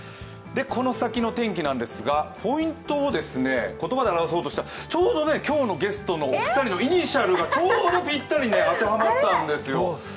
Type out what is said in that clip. この先の天気なんですが、ポイントを言葉で表そうとしたらちょうど今日のゲストのお二人のイニシャルがちょうどぴったり当てはまったんですよ。